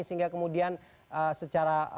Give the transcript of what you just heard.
sehingga kemudian secara